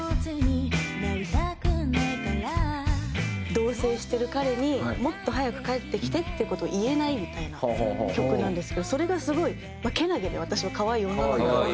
同棲してる彼に「もっと早く帰ってきて」っていう事を言えないみたいな曲なんですけどそれがすごい健気で私は可愛い女の子だなと。